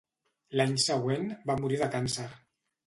L'any següent, va morir de càncer.